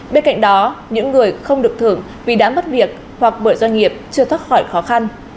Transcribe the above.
bên cạnh đó những người không được thưởng vì đã mất việc hoặc bởi doanh nghiệp chưa thoát khỏi khó khăn